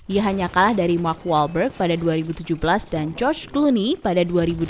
ia hanya kalah dari mark walberg pada dua ribu tujuh belas dan george cluni pada dua ribu delapan belas